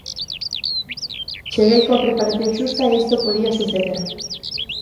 Cheguei coa preparación xusta e isto podía suceder.